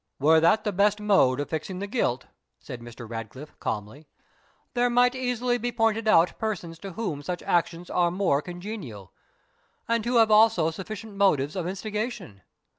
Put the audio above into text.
"Were that the best mode of fixing the guilt," said Mr. Ratcliffe, calmly, "there might easily be pointed out persons to whom such actions are more congenial, and who have also sufficient motives of instigation.